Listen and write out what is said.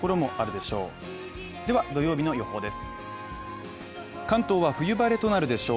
では、土曜日の予報です。